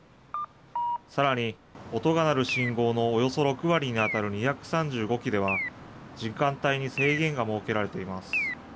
さらに、音が鳴る信号のおよそ６割に当たる２３５基では、時間帯に制限が設けられています。